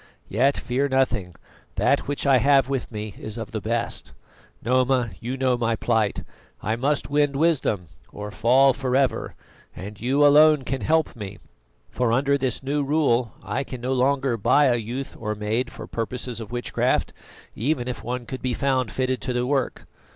Yet fear nothing; that which I have with me is of the best. Noma, you know my plight: I must win wisdom or fall for ever, and you alone can help me; for under this new rule, I can no longer buy a youth or maid for purposes of witchcraft, even if one could be found fitted to the work.